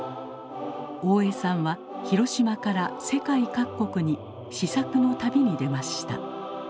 大江さんは広島から世界各国に思索の旅に出ました。